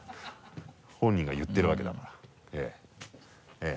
本人が言ってる訳だからえぇ。